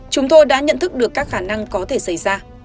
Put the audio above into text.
chúng tôi đã nhận thức được các khả năng có thể xảy ra